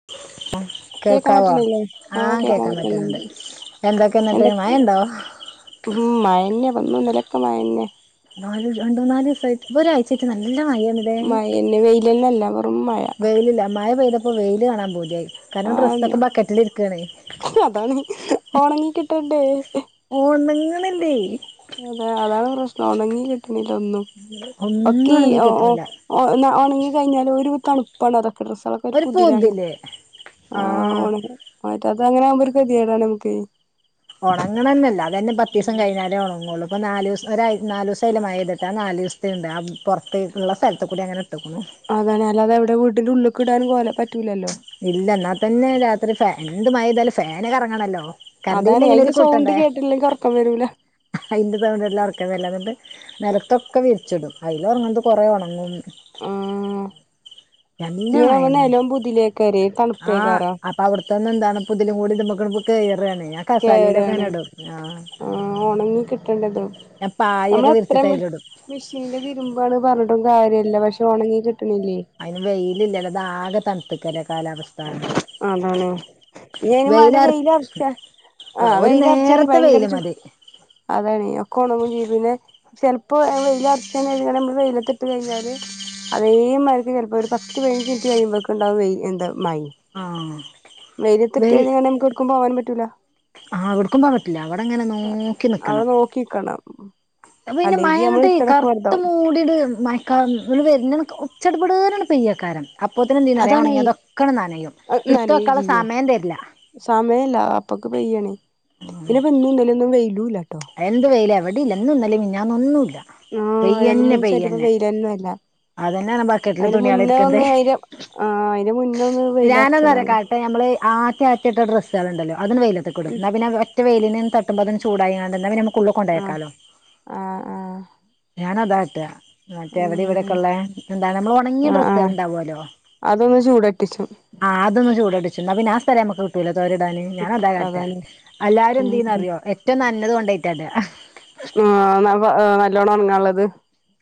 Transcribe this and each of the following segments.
[unintelligible] കേക്കാൻ കേൾക്കാവോ പറ്റണില്ലേ ആഹ് കേക്കാൻ കേൾക്കാൻ പറ്റുന്നുണ്ട് എന്തൊക്കെ എന്നിട്ട് എന്തൊ മഴ ഉണ്ടോ ഉം മഴ തന്നെ ഇന്ന് ഇന്നലെക്കെ മഴ തന്നെ നാല് രണ്ട് മൂന്നാല് ദിവസമായിട്ട് ഒരാഴ്ച്ചയായിട്ട് നല്ല മഴയാണ് ഏഹ് മഴന്നെ വെയിലന്നല്ല വെറും മഴ വെയിലില്ല മഴപെയ്തപ്പ- ഇപ്പൊ വെയിൽ കാണാൻ പൂതിയായി കാരണം ആന്ന് ഡ്രസ്സൊക്കെ ബക്കറ്റിൽ ഇരിക്കാണേ അതാണ് ഒണങ്ങി കിട്ടണ്ടേ ഓണങ്ങ്ണ്ല്ലേ അതാ അതാണ് പ്രശ്നം ഒണങ്ങി കിട്ട്ണ്ല്ലാ ഒന്നും ഒന്നും ഒക്കെ ഈ ഒണ്ങ്ങി ഓ കിട്ട്ണ്ല്ല ഓ ഒണങ്ങി കഴിഞ്ഞാലും ഒരു തണുപ്പാണ് അതൊക്കെ ഡ്രസ്സ്കളൊക്കെ ഒരു പുതിലാണ് ആ ആഹ് ഓണ മറ്റ അത് അങ്ങനെ ആവുമ്പോ ഒരു ഗതികെടാണ് നമുക്ക് [unintelligible] ഒണങ്ങണെതന്നില്ല അത് തന്നെ പത്ത് ദിവസം കഴിഞ്ഞാലേ ഒണങ്ങുള്ളൂ ഇപ്പോ നാല് ദെവസ ഒര നാല് ദെവസായില്ലെ മഴ പെയ്തിട്ട് ആ നാല് ദിവസത്തേണ്ട് ആ പൊറത്തേക്കുള്ള സ്ഥലത്ത് കൂടി അങ്ങനെ ഇട്ടേക്കണു അതെ അല്ലതെവിടെ വീടിന്റെ ഉള്ളിക്ക് ഇടാൻ പോലെ പറ്റൂലല്ലോ ഇല്ല എന്നാൽ തന്നെ രാത്രി ഫാന് എന്ത് മഴ പെയ്താലും ഫാന് കറങ്ങണല്ലോ കറണ്ട് ബില്ല് അതാണ് അതിന്റെ എങ്ങനെയാലും സൗണ്ട് കൂട്ടണ്ടേ കേട്ടില്ലെങ്കിൽ ഒറക്കം വരൂല അതിന്റെ സൗണ്ട് കേട്ടില്ല ഒറക്കം വരില്ലാന്നുണ്ട് നെലത്തൊക്കെ വിരിച്ചിടും അതിലൊണങ്ങണത് കൊറേ ഒണങ്ങും ആഹ് [unintelligible] പുതിലേകാരയ് ആഹ് അപ്പ അവിടുത്തന്നന്ന് എന്താണ് പുതി [unintelligible] ലും കൂടി ഇ [unintelligible] മ്പൊ കെറുവാണെ ഞ കേരാ [unintelligible] ണ് ആ ഒണങ്ങി കി- [unintelligible] ഞാൻ പായൊക്കെ നമ്മള വിരിച്ചിട്ട് എത്രയും അതിലിടും - മിഷീനില് തിരുമ്പാണ് പറഞ്ഞിട്ടും കാര്യമില്ല പക്ഷെ ഒണങ്ങി കിട്ടണില്ലേ അതിന് വെയിലില്ലാലോ ഇതാകെ തണുത്ത്ക്കല്ലെ കാലാവസ്ഥ അതാണ് ഇനി അയിനും വാണ്ടി വെയിലാർ വെയിലറച്ചാ ആഹ് - ഒരു വെയിലറച്ചാണെങ്കി നേരത്തെ ഭയങ്കര വെയില് ചൂ മതി അതാണ് ഒക്കെ ഒണങ്ങുവേം ചെയ്യും പിന്നെ - ചെലപ്പോ ആ വെയില് ഒറച്ചു കഴിഞ്ഞാല് നമ്മള് വെയിലത്തിട്ട് കഴിഞ്ഞാല്- അതേ മായ്രിക്ക് ചെലപ്പോൾ ഒരു പത്ത് പതിനഞ്ച് മിനിറ്റ് കഴിയുമ്പോ ഒണ്ടാവും വെയില് എന്താ മഴയും ആഹ് വെയിലത്തിട്ടു കഴിഞ്ഞാൽ നമുക്ക് എവിടേക്കും പോവാനും പറ്റൂല്ല ആ എവിടുക്കും പോവാൻ പറ്റില്ല അവിടെ അങ്ങനെ നോക്കി നിക്കും അവടെ നോക്കിനിക്കണം അത് പിന്നെ മഴയങ്ങോട്ട് കറുത്ത് മൂടിട് മഴ- ഇവള് വെരുന്ന കണക്ക് ചട പട്ന്ന് അങ്ങ് പെയ്യക്കാരം അപ്പോത്തിന്ന് എന്ത് ചെയ്യുമോന്നറിയുമോ അതാണേ ഒണങ്ങിയതൊക്കെ നനയും എടുത്ത വെക്കാനുള്ള സമയം തരില്ല സമയില്ല അപ്പക്ക് പെയ്യണേ പിന്നെപ്പ ഇന്നും ഇന്നലേന്നും വെയിലുയില്ല എന്ത് വെയില് എവിടെയില്ല ഇന്നും ഇന്നല്ലേ മിനിഞ്ഞാന്നും ഒന്നുയില്ല ആഹ് രണ്ട മൂന്ന് ദിവസായിട്ട് ഇപ്പ വെയിലന്നെല്ലെ അതന്നെയാണ് ബക്കറ്റില് അയിന് തുണിയാള് മുന്നേ ഇരിക്കുന്നത് ഒന്ന് അയിന ആഹ് അയിന് മുന്നൊന്ന് വെയിലറിച്ചതാണ് അപ്പം നമ്മൾ ആറ്റ ആറ്റിട്ട ഡ്രസ്സുകള്ണ്ടല്ലോ അതും വെയിലത്തേകിടും ഉം എന്നാപിന്നെ മറ്റ വെയിലിന തട്ടുമ്പോത്തേനും ചൂടായിനാണ്ട് നമുക്ക് ആഹ് ഉള്ളികൊണ്ടോക്കാലോ ആഹ് ആഹ് ഞാനതാ ഇട്ട മറ്റേ അവിടെ ഇവിടൊക്കെ ഏഹ് ഉള്ള എന്താണ് നമ്മൾ ഉണങ്ങിയ ആഹ് ആഹ് ഡ്രസ്സുകളുണ്ടാവുമല്ലോ അതൊന്ന് ചൂടട്ടിച്ചു ആഹ് അതൊന്ന് ചൂടട്ടിച്ചു എന്നാ പിന്ന ആഹ് സ്ഥലം നമുക്ക് ലോ തോരിടാന് ഞാൻ അതാകാട്ട അതാണ് എല്ലാരും എത്തിയ്യന്ന്റിയോ ഉം ഏറ്റവും നഞ്ഞത് കൊണ്ടയിറ്റാ ഇട ആഹ് നല്ലോണം ഉണങ്ങാനുള്ളത്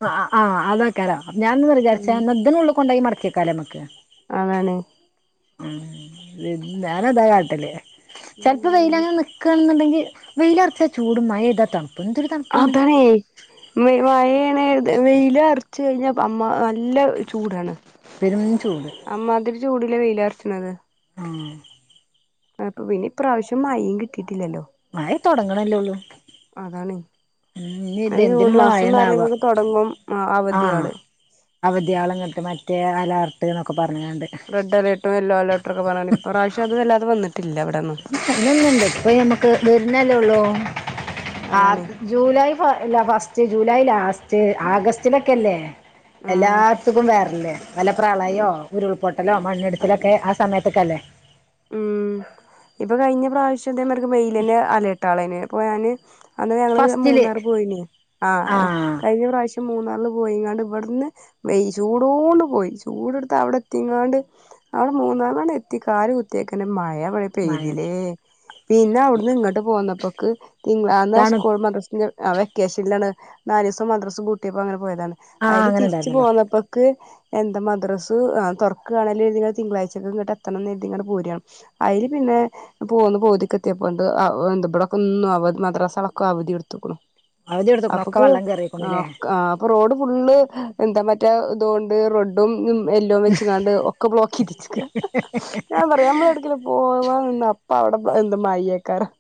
ആഹ് ആഹ് അതെക്കാലോ ഞാൻന്ന് ഉം വിചാരിച്ചന്ത് ഉള്ളിൽ കൊണ്ടോയി മടക്കേക്കാലേ നമക്ക് അങ്ങനെ ഉം ഞാനതാ കാട്ടല് ചെലപ്പോ ഉം വെയിലങ്ങ് നിക്കാ എന്നുണ്ടങ്കിൽ വെയിലറച്ചാ ചൂടും മഴപെയ്താ തണുപ്പും എന്തൊര് ആതാണെ മഴാണ് വെയില അറച്ച് കഴിഞ്ഞാൽ അമ്മ നല്ല ചൂടാണ് പെരും ചൂട് അമ്മാതിരി ചൂടലെ വെയിലറച്ചണത് ആഹ് അപ്പൾക്ക് പിന്നെ ഇപ്രാവിശ്യം മഴയും കിട്ടിയിട്ടില്ലല്ലോ മഴ തൊടങ്ങണല്ലേള്ളൂ അതാണ് ഇത് ജൂൺ എന്തിനുള്ള മാസന്ന് മഴന്നാവോ പറയുമ്പോക്ക് തുടങ്ങും ആഹ് അവധിയോള് അവധിയാളങ്ങട്ട് മറ്റേ അലാർട്ട്ന്നൊക്കെ പറഞ്ക്കാണ്ട്. റെഡ് അലർട്ട് യെല്ലോ അലർട്ടൊക്കെ പറഞ്ഞ് ഇപ്രാവശ്യം അത് വല്ലാതെ വന്നിട്ടില്ല ഇവിടൊന്നും [unintelligible] ഇപ്പൊ ഞമ്മക്ക് വെരുന്നല്ലെ ഒള്ളു ആ അതാണ് ജൂലൈ ഫ ല ഫസ്റ്റ് ജൂലൈ ലാസ്റ്റ് ആഗസ്റ്റിലൊക്കെല്ലേ എല്ലാർത്തുക്കും വേറല്ലേ ആ വെല്ലപ്രളയോ ഉരുൾപൊട്ടലോ മണ്ണിടിച്ചലൊക്കെ ആ സമയത്തൊക്കെ അല്ലെ ഉം ഇപ്പൊ കഴിഞ്ഞ പ്രാവിശ്യം ഇതെ മാര്ക്ക് വെയില് അലർട്ടാളേന് ഇപ്പൊ ഞാന് അന്ന് ഞങ്ങള് ഫസ്റ്റില് മൂന്നാറ് പോയിനി ആ കഴിഞ്ഞ പ്രാവശ്യം മൂന്നാറില് പോയിങ്ങാണ്ട് ഇവിടുന്ന് വെയി ചൂടോണ്ട് പോയി ചൂടടുത്ത് അവിടെത്തിങ്ങാണ്ട് അവടെ മൂന്നാർന്നട് എത്തി കാലു കു ത്തെക്കിന് മഴ ഇബടെ മഴയത് പെയ്തിലെ പിന്നെ ഔട്ന്ന് ഇങ്ങട്ട് പോന്നപ്പക്ക് തിങ്കന്നാ തണു സ്കൂളും മദ്രസിം ആഹ് വെക്കേഷൻലാണ് നാലീസം മദ്രസാ പൂട്ടിയപ്പോ അങ്ങനെ പോയതാണ് ആ അയില് അങ്ങനെ തിരിച്ച് ഉണ്ടായിരുന്നല്ലോ പോന്നപ്പക്ക് എന്താ മദ്രസ് ആ തുറക്കാണലും [unintelligible] തിങ്കളാഴ്ച്ചക്കെ ഇങ്ങട്ട് എത്തണംന്ന് കരുതിങ്ങാണ്ട് പൂരം അയ്ല് പിന്നെ പോന്ന് പോതിക്കെത്തിയപ്പോണ്ട് എന്ത ഇവിടൊക്കെ ഇന്നും അവ മദ്രാസകളൊക്കെ അവധി കൊടുത്ത്ക്ക്ണു അവധി എടുത്തക്കണു ഒക്കെ അപ്പ്ക്ക് വെള്ളം കയറിക്കണല്ലേ ആഹ് കാ റോഡ് ഫുള്ള് എന്താ മറ്റെ ഇതൊണ്ട് റോഡ് ടും എല്ലൊം വെച്ച്കാണ്ട് ഒക്കെ ബ്ലോക്കിരിച്ച്ക്ക. ഞാൻ പറയാം നമ്മള് എട്ക്കേലും പോവാ നിന്ന അപ്പ അവിടെ എന്ത് മയ്യേക്കാരം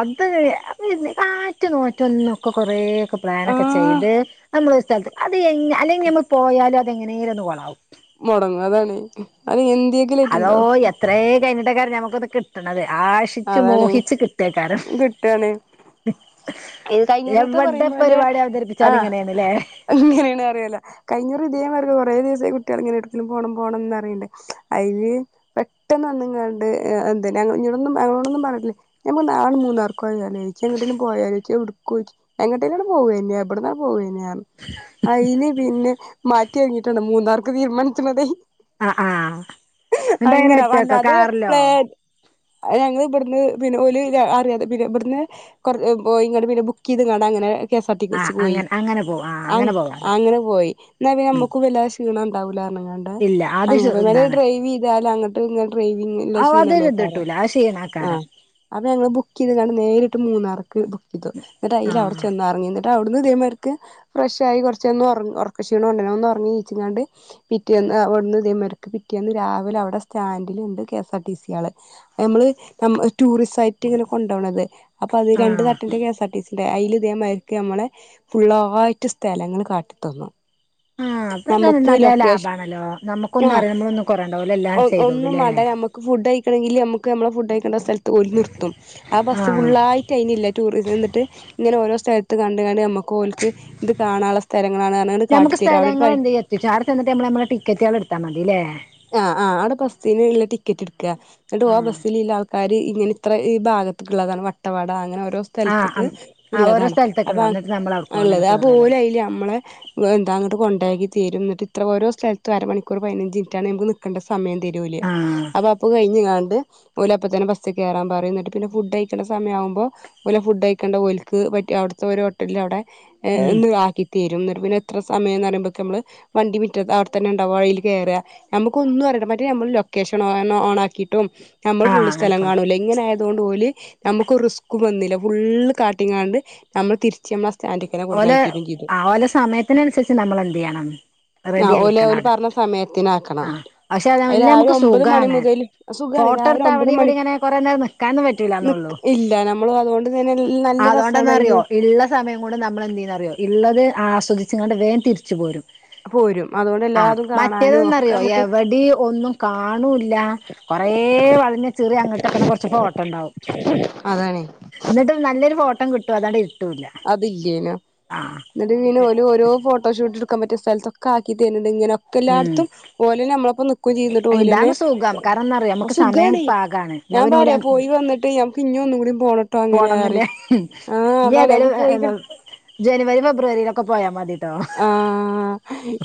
അത് അതന്നെ ആറ്റ് നോറ്റ് ഒന്നൊക്കെ കൊറേക്കെ പ്ലാനൊക്കെ ആഹ് ചെയ്ത് നമ്മളൊരു സ്ഥലത്ത് അത് അല്ലെങ്കിൽ നമ്മൾ പോയാലും അത് എങ്ങനെലും ഒന്ന് കൊളാവും. മൊടങ്ങും അതാണ് അത് എന്തെ അതോ എത്രേ കഴിഞ്ഞിട്ടെകാരം ഞമുക്കൊന്ന് കിട്ട്ണത് ആശി ച്ചു അതാണ് മോഹിച്ചു കിട്ടേക്കാരും കിട്ടാണ് ഇത് കഴിഞ്ഞുറീത്തെ എവിടെ പരിപാടി അവതരിപ്പിച്ചാലും ഇങ്ങനെയാണ്ല്ലേ എങ്ങനെണ് അറീയില കഴിഞ്ഞൂറ് ഇതേം വ [unintelligible] കൊറെ ദിവസം കുട്ടികൾ ഇങ്ങനെ എടുക്കിലും പോണം പോണന്ന് പറഞ്ഞിട്ട് അയ്ല് പെട്ടെന്ന്ന്നാങ്ങാണ്ട് എന്തിനാ ഞങ്ങള് [unintelligible] ഒന്നും അങ്ങനൊന്നും പറഞ്ഞ്ട്ടില്ല ഞമ്മക്ക് നാ മൂന്നാർക്ക് പോയാലോ എങ്ങട്ടേലും പോയാലോയിക്കും [unintelligible] എങ്ങട്ട് ഇങ്ങട് പോവെന്നെയാ ഇവിടുന്ന് പോവന്നെയാ അയില് പിന്നെ മാറ്റി [unintelligible] മൂന്നാർക്ക് തീരുമാനിച്ചണതേ ആ ആ എന്നിട്ട് എങ്ങനെ അങ്ങനെ വല്ല ഒറ്റക്കോ അത് കാറിലോ പ്ലേ ഞങ്ങൾ ഇവിടുന്ന് പിന്നെ ഒലു ലു അറിയാതെ പിന്നെ ഇവിടുന്ന് [unintelligible] ഇങ്ങട് പിന്നെ ബുക്ക് ചെയ്ത് കാണാ ഇങ്ങനെ K S R T C ആ ബസ് പോയി അങ്ങനെ അങ്ങനെ പോവും ആ ആയി അങ്ങനെ പോവാലോ അങ്ങനെ പോയി എന്നാ ഉം നമ്മക്കും വല്ല ക്ഷീണം ഉണ്ടാവൂല പറഞ്ങ്ങാണ്ട് ഇല്ല അത് ശ് അങ്ങനെ [unintelligible] ഇതാണ് ഡ്രൈവ് ചെയ്താലും അങ്ങട്ട് ഇങ്ങട്ട് ഡ്രൈവിങ്ങ് ചെയ്ത ക്ഷീണല്ലേ ത്ട്ടൂല അത് ക്ഷീണാക്കാര അന്ന് ഞങ്ങള് ബുക്ക് ചെയ്ത്കാണ്ട് നേരിട്ട് മൂന്നാർക്ക് ബുക്ക് ചെയ്തു ഇന്നെട്ട് ആ അയില് അവടെ ചെന്നറങ്ങി ഔട്ന്ന് ഇതേമാര്ക്ക് ഫ്രഷ് ആയി കൊർച്ചൊന്ന് ഒർക്കക്ഷീണം ഇണ്ടനു ഒന്ന് ഒർങ്ങി നീച്ച്ങ്ങാണ്ട് പിറ്റേന്ന് അവിടുന്ന് ഇതേ മാതിരി പിറ്റേന്ന് അവിടുന്ന് ഇതേ മാതിരിക്ക് പിറ്റേന്ന് രാവിലെ അവടെ സ്റ്റാൻഡിൽ ഇണ്ട് കെ എസ് ആർടി സി ആള് ഞമ്മള് ഞമ് ടൂറിസ്സായിട്ട് ഇങ്ങനെ കൊണ്ടോണത് അപ്പൊ അത് ആ രണ്ട് തട്ടിന്റെ കെ എസ് ആർ അയ്ല് ഇതേമാരിക്ക് അമ്മളെ ഫുള്ളാലായിട്ട് സ്ഥലങ്ങള് കാട്ടിത്തന്നു ആഹ് അപ്പൊ തന്നെ നമ്മക്ക് നല്ല ലൊക്കേഷൻ ലാഭാണല്ലോ നമ്മുക്ക് ആ ഒന്നും അറിയ [unintelligible] എല്ലാം ഒ ഒന്നും ചെയ്തോളുംല്ലേ മാണ്ട നമ്മക്ക് ഫുഡ് കയിക്കണെങ്കില് നമ്മക്ക് നമ്മളെ ഫുഡ് കയിക്കണ്ട സ്ഥലത്ത് ഓല് നിർത്തും ആഹ് ആ ബസ് ഫുള്ള ആയി കഴിഞ്ഞില്ല ടൂറിസം എന്നിട്ട് ഇങ്ങനെ ഓരോ സ്ഥലത്ത് കണ്ട് കണ്ട് നമു കോൽക്ക് ഇത് കാണാനുള്ള സ്ഥലങ്ങളാണ്ന്ന് പറഞ്ഞാണ്ട് ഞമ്മക്ക് കാട്ടിത്തരു സ്ഥലങ്ങൾ [unintelligible] ഇട്ടാ മതിലെ. ആഹ് ആഹ് ആടെ ബസ്സിനുള്ള ടിക്കറ്റ് എടുക്ക എന്നിട്ട് ഓ ആ ബസ്സിലില്ല ആൾക്കാ [unintelligible] ഇങ്ങനെ ഇത്ര ഈ ഭാഗത്തക്കുള്ളതാണ് വട്ടവട അങ്ങനെ ഓരോ സ് ആഹ് സ്ഥലത്ത്ക്ക് അം ആഹ് ഓരോ ഇള്ളതാണ് സ്ഥലത്തൊക്കെ അപ്പ ഉണ്ടാവും എന്നിട്ട് നമ്മൾ അവിടുക്കും അങ്ങനെ ആയിള്ളത് കേറല്ലേ അപോലയില് നമ്മളെ. വെന്ത അങ്ങട്ട്കൊണ്ടായാക്കി തെരും ന്നിട്ട് ഇത്ര ഓരോ സ്ഥലത്തും അരമണിക്കൂർ പയിനഞ്ചിനിറ്റാണ് അമക്. നിക്കണ്ടസമയം തരു ഓല് ആഹ് അപ്പൊ അപ്പൊ കഴിഞ്കാണ്ട്. ഓല് അപ്പോ തന്നെ ബസ്കേറാൻ പറയും എന്നിട്ട് പിന്നെ ഫുഡ് കഴിക്കണ സമയാവുമ്പോ. ഓലെ ഫുഡയിക്കണ്ടേ ഒൽക്ക് പറ്റി അവിടുത്തെ ഒരു ഹോട്ടലിൽ അവിടെ ഉം ന്നാക്കിട്ട്. ത്യരും ന്നിട്ട് പിന്നെ എത്ര സമയന്ന് പറയുമ്പോത്തിന് നമ്മൾ വണ്ടിറ്റത്ത് അവിടെത്തന്നെ ഇണ്ടാവ അയില് കേറാ. നമ്മുക്ക്ക്കൊന്നുറിയണ്ട മറ്റേ ഞമ്മള് ലൊക്കേഷൻ ഓ ഓണാക്കിട്ടും നമ്മള് ആഹ് ഫുള് അങ്ങനെ സ്ഥലം പോണം കാണൂല്ലേ. ഇങ്ങനെ ആയതൊണ്ട് ഓല് ഞമക്ക് റിസ്ക് വന്നില്ല ഫുള്ള് കാട്ടിങ്ങാണ്ട് ഞമ്മ് തിരിച്മ്മ. ഓലെ ആഹ് ഓലെ സമയത്തിനനുസരിച്ച് നമ്മൾ എന്റെയ്യണം. ആ റെഡി ഓല് ആയിരിക്കണം ഓല് ആടെ പറഞ്ഞ സമയത്തിനാക്കണം ആഹ് പക്ഷെ അത് നമുക്ക് രാവിലെ നല്ല ഒമ്പത് മണി സുഖാണ്. മുതൽ സുഖാണ് രാവിലെ ഒമ്പത് ഫോട്ടട്ത്തവിടേം ഇവിടേം മണിക്ക് ഇങ്ങനെ കൊറേ നിക്കാൻ പറ്റുല്ലാന്നൊള്ളു. നിക്ക് ഇല്ല നമ്മള് അതുകൊണ്ട് തന്നെ നല്ല രസാണ് ണ്ടെന്നറിയോ അയില് ഇള്ള സമയം കൊണ്ട് നമ്മൾ എന്ത് ചെയെന്നറിയോ ഉള്ളത് ആസ്വദിച്ചിങ്ങാണ്ട് വേം തിരിച്ചു പോരും. പോരും അതുകൊണ്ട് ആഹ് എല്ലാതും കാണാനും ഒക്കെ മറ്റേതെന്നറിയോ നമുക്ക് എവിടെ ഒന്നും കാണൂല്ല. കൊറേ വളഞ്ഞചിറി അങ്ങട്ട്ക്കണ കൊറച്ച ഫോട്ടം ഇണ്ടാവും. അതാണേ എന്നിട്ട് നല്ലൊരു ഫോട്ടോം കിട്ട്വോ അതണ്ട്‌ കിട്ടൂല്ല. അതിലേനു ന്നിട്ട് പിന്നെഓല് ഒരോഫോട്ടോശൂട്ടെടുക്കാൻ പറ്റിയാ സ്ഥലത്തൊക്കെ ആക്കി തരണ്ട് ഇങ്ങനെ. ഉം എല്ലാടത്തും ഓലെന്നെ നമ്മളപ്പം നിക്കുംചെയും ന്നിട്ട് ഓലെന്നെ ഇതാണ് സുഖം കാരണം എന്താറിയോ ആഹ് നമുക്ക് സമയം സുഖാണെ. പാകാണ് എന്നാ ഞാൻ പിന്നെ ഓല് പറയാ പോയി വന്നിട്ട് ഞമക്ക് ഇഞു ഒന്നൂടി പോണം. പോണം എന്ന്ലെ ഇനി നമുക്ക് പോയി ഏതായാലും. ജനുവരി ഫെബ്രുവരിയിലൊക്കെ പോയാ മതിട്ടോ. ആഹ്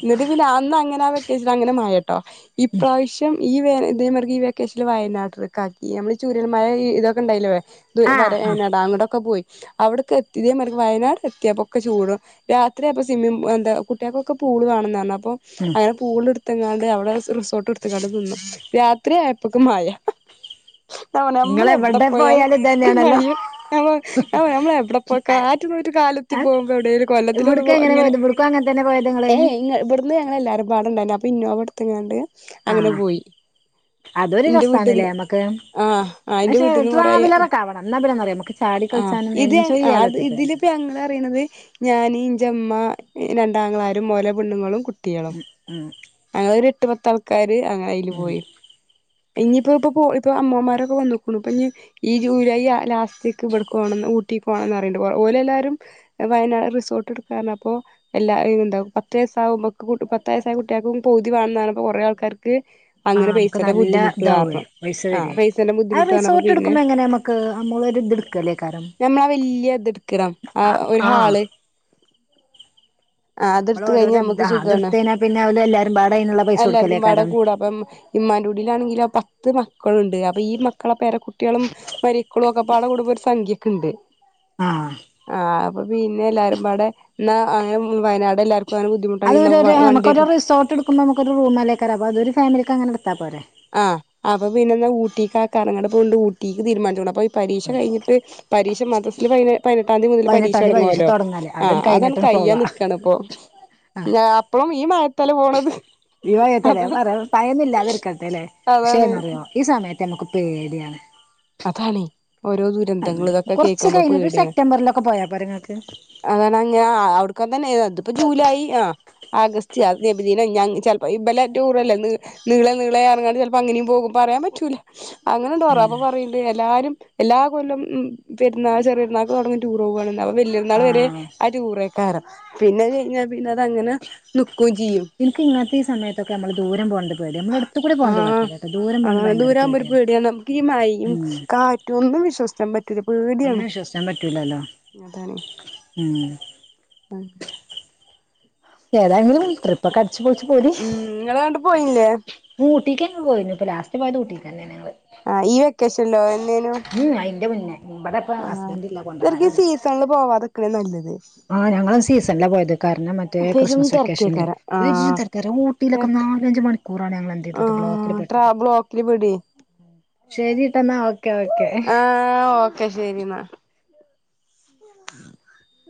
എന്നിട്ട് പിന്നെ അന്നങ്ങനെ വെക്കേഷനങ്ങനെ മയെ. ട്ടോ ഇപ്രാവശ്യം ഈ വ ഇതേമാറി ഈ. വെക്കേശല് വയനാട്ടിലേക്ക് ആക്കി ഞമ്മള് ചുരൽമല ഇതൊക്കെ ഉണ്ടായില്ലേ ആഹ് ആഹ് വരടം അവ്ടൊക്കെ പോയി. അവിടക്കെത്തി ഇതേമാരി വയനാട് എത്തിയപ്പൊ ഒക്കെ ചൂടും രാത്രിയപ്പ. സിമ്മി എന്താ കുട്ട്യേൾക്കൊക്കെ പൂള് വെണംന്ന് പറഞ്ഞ അപ്പൊ ഉം അങ്ങനെ. പൂള് എടുത്തെങ്ങാണ്ട് അവിടെ റിസോർട്ട് എടുത്തങ്ങാണ്ട് നിന്ന് രാത്രി ആയപ്പൊക്ക് മഴ. നമ്മ നമ്മള എവിടെ ഇങ്ങളെവിടെ പോയാലും പോയാലൊക്കെ ഇതന്നെയാണല്ലോ മയ നമ്മളെ എവിടെ പോയ ആറ്റ് നോറ്റ് കാല. ത്തി പോവ്പോ എവിടെലും കൊല്ലത്തിലൊന്ന്. ഇങ്ങനെ ഇങ്ങനെപോയത് ഇവ്ടക്കും അങ്ങത്തന പോയത് ഇങ്ങള്. ഇന്ന് ഞങ്ങളെല്ലാരും പാടണ്ടണ്ടെനു അപ്പൊ ഇനോവ എടുത്ത്ങ്ങാണ്ട് അങ്ങനെ ആഹ് പോയി. അതൊരു ഇന്റെ രസന്ന്ല്ലേ വീട്ടിന്ന് ഞമക്ക്. ആഹ് ആഹ് ഇന്റെ പക്ഷെ വീട്ടിന്ന് കൊറേ ട്രാവലറൊക്കെ ആവണം ന്നാ പിന്നെനറിയോ നമുക്ക് ചാടി കളിച്ചാണ്ട്‌ എൻജോയ് ചെയ്യാലോ പറ്റണ്ടേ. പ്പ ഞളറിയണത് ഞാന് ഇന്റമ്മ രണ്ടാങ്ങളാരും ഓലെപെണ്ണുങ്ങളും കുട്ട്. ട്ട്യേളും ഉം ഞങ്ങളൊര് എട്ട് പത്താൾക്കാര് അങ്ങാനെ അയിൽ ഉം പോയി. ഇനിയിപ്പ ഇപ്പ ഇപ്പൊ അമ്മമാരൊക്കെ വന്ന്ക്ക്ണു ഇപ്പഞ്ഞി. ഈ ജൂലൈ ലാ ലാസ്റ്റേക്ക് ഇവിടക്ക് പോണംന്ന് ഊട്ടി പോണംന്ന്റിയിണ്ട്‌ ഓലെല്ലാരും. വയനാ റിസോർട്ട് എടുക്കാന്ന് പറഞപ്പോ. എല്ലാ എന്തും പത്ത വയസ ആകുമ്പക്ക് പത്ത വയസായ കുട്ട്യേൾക്കും പൂതിവേണം എന്ന് പറഞ്ഞപ്പോ കൊറെ ആൾക്കാർക്ക്. ആ അങ്ങനെ നമുക്ക് പൈസെന്റെ നല്ല ബുദ്ധിമുട്ട് ഇതാവേ കാരണം പൈസ ആ വരേ പൈസന്റെ ആ ബുദ്ധിമുട്ട് പറഞ്ഞപ്പോ റിസോർട്ട് പിന്നെ. ക്കേലെകാരം. ഞമ്മളാ വല്യ ഇത എടുക്കണം ആ ഒരു ഹാള്. ആ നമ്മൾ അതെടുത്തകയിഞ്ഞ ഓരോരോ നമ്മുക്ക് ആ സുഖാണ് അതെടുത്ത് കഴിഞ്ഞാൽ പിന്നെ അവര് എല്ലാരും പാടെ അതിനുള്ള പൈസ എല്ലാർക്കുംപാടെ കൊടുക്കലേക്കാരം കൂടാ അപ്പം. ഇമാന്റുടിലാണെങ്കിലോ പത്ത് മക്കൾണ്ട് അപ്പം ഈ മക്കളെ പേരെ കുട്ട്യേളും. മരേക്കളും ഒക്കെപാടെ കുടുമ്പോ ഒരു സംഖ്യക്കെക്കിണ്ട്. ആ ആഹ് അപ്പൊ പിന്നെ എല്ലാരും പടെ ഇന്നാ അങ്ങനെ. വയനാട് എലാർക്കും അങ്ങനെ ബുധിമു. അത്ഓരോ ഒരൊ നമക്കൊരു റിസോട്ട് എടുക്ക്പോ നമുക്കൊരൊ റൂമല്ലേക്കറ അത് ഒരു ഫാമിലിക്ക് അങ്ങെനെ എടുത്താ പോരെ. ആഹ് അപ്പ പിന്നെന്താ ഊട്ടിക്ക് ആക്കാ അങ്ങനെപ്പണ്ട് ഊട്ടിക്ക് തീരുമാനിച്ചോണം അപ്പ. പരീക്ഷ കഴിഞ്ഞിട്ട് പരീക്ഷ മത്രസില് പ പതിനെട്ടാംതീ മുതൽ പരീക്ഷ പതിനെട്ടാംതി തൊടങ്ങല്ലോ. തുടങ്ങാല്ലേ അതും ആഹ അതാണ് കഴിഞ്ഞിട്ടാണ് കയ്യാൻ പോവാ നിക്കാണ് ഇപ്പൊ ആ അപ്പോഴും ഈ മഴത്താല പോണത് ഈ മയത്തല്ലേ അതാണ് പറ ഭയന്നില്ല അതക്കട്ട അല്ലെ പക്ഷേ അതാണ് എന്ന്റിയോ ഈ സമയത്ത് നമുക്ക് പേടിയാണ് അതാണ് ഓരോ ദുരന്തങ്ങള് ഇതൊക്കെ കൊറച്ച് കേൾക്കുമ്പോ കഴിഞ്ഞിട്ട് സെപ്റ്റംബറിലൊക്കെ പോയാ പോരേ ഇങ്ങക്ക് അതാണ്‌ ഞാ അവിടുക്കാ തന്നെ അതിപ്പോ ജൂലായി ആ ആഗസ്റ്റ് ആ നബിദിനം ഞാൻ ചിലപ്പോ ഇബല ടൂറല്ലേ നീ നിളെ നിളെ പറങ്ങാണ്ട് ചിലപ്പോ അങ്ങെനെ പോകും പറയാൻ പറ്റൂല അങ്ങനെണ്ടോ ഉം അപ്പോപറയുണ്ട് എല്ലാരും എല്ലാ കൊല്ലം ഉ പെരുന്നാ ചെറിയപെരുന്നാൾ തുടങ്ങടൂർപോവാണ് അപ്പം വല്യ പെരുന്നാൾ വരെ ആ ടുറേ യ്ക്കാരം പിന്നെ കഴിഞ്ഞാൽ പിന്നെ അതങ്ങനെ നിക്കുയും ചെയ്യും എനിക്ക് ഇങ്ങനത്തെ ഈ സയത്തൊക്കെ നമ്മള് ദൂരം പോണ്ടത് ആഹ് അങ്ങനെ ഭയങ്കര ദൂരകുമ്പോ ഒരു പേടിയാണ് പേടിയ നമുക്ക് ഈ മയും ഉം കാറ്റും ഒന്നും വിശ്വസി ക്കാൻ പറ്റില്ല പേടിയാണ് ഒന്നും വിശ്വസിക്കാൻ പറ്റൂലല്ലോ അതാണ് ഉം അ [unintelligible] ഏതാങ്കിലും ട്രിപ്പ് ഒക്കെ അടിച്ചു പോളിച്ച്പോരി ഉം നിങ്ങള് എങ്ങട്ടും പോയില്ലേ ഊട്ടിക്ക് ങ്ങങ്ങള് പോയി ഇപ്പോ ലാസ്റ്ററ്റ് പോയത് ഊട്ടിക്ക തന്നെ ഞങ്ങള് ആഹ് ഈ വെക്കേഷനില്ലോഎന്നോ യിന്നു ഉം അതിൻന്റെ മുന്നേ ഇവിടെ ഇപ്പ ആഹ ഹസ്ബൻഡ് ഇല്ല ശരീക്ക് കൊണ്ടോവാനൊന്നും സീസണില് പോവാതൊക്കെണ് നല്ലത് ആ ഞങ്ങള് സീസണില പോയത് കാരണം മറ്റേ പെരും ക്രിസ്മസ് വെക്കേഷനില് തിരക്കേക്കാരം പെരും ആഹ് തിരക്ക ഒ ഊട്ടയിലൊക്കെ തിരക്ക് നാലഞ്ച മണിക്കൂറാണ് ഞങ്ങൾ എന്ത് ചെയ്തത് ബ്ലോക്കിൽ ആഹ് ട്രാ പെട്ടത് ബ്ലോക്കില് പെടുവേ ശരി ട്ടോ എന്നാ ഓക്കെ ഓക്കേ ആഹ് ഓക്കെ ശരി എന്നാൽ [unintelligible]